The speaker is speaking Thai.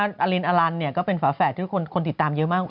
อะลินอะลันก็เป็นฝาแฝดที่คนติดตามเยอะมาก